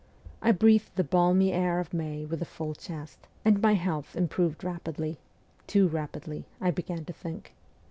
I breathed the balmy air of May with a full chest, and my health improved rapidly too rapidly, I began to think.